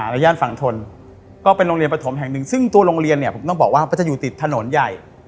ย่านฝั่งทนก็เป็นโรงเรียนปฐมแห่งหนึ่งซึ่งตัวโรงเรียนเนี่ยผมต้องบอกว่ามันจะอยู่ติดถนนใหญ่